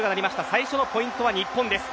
最初のポイントは日本です。